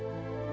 đặc biệt là